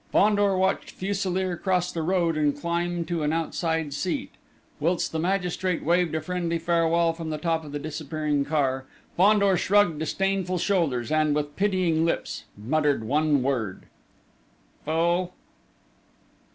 Fandor watched Fuselier cross the road and climb to an outside seat. Whilst the magistrate waved a friendly farewell from the top of the disappearing car, Fandor shrugged disdainful shoulders, and, with pitying lips, muttered one word: "Fool!"